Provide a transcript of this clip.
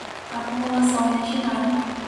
acumulação original